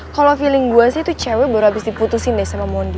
kalau feeling gue sih itu cewek baru habis diputusin deh sama mondi